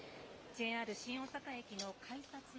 ＪＲ新大阪駅の改札の前です。